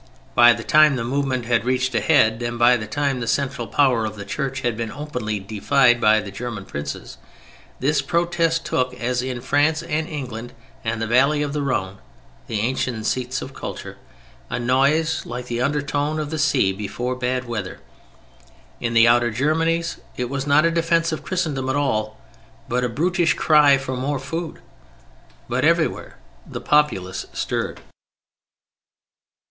By the time the movement had reached a head and by the time the central power of the Church had been openly defied by the German princes, this protest took, as in France and England and the valley of the Rhone (the ancient seats of culture), a noise like the undertone of the sea before bad weather. In the outer Germanies it was not a defence of Christendom at all, but a brutish cry for more food. But everywhere the populace stirred.